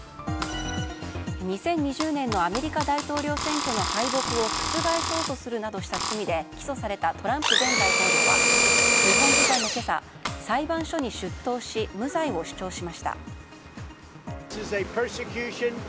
２０２０年のアメリカ大統領選挙の敗北を覆そうとするなどした罪で起訴されたトランプ前大統領は日本時間の今朝、裁判所に出頭し無罪を主張しました。